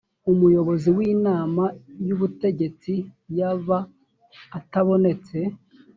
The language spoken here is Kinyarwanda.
umuyobozi w’inama y’ubutegetsi yaba atabonetse